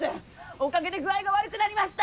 おかげで具合が悪くなりました！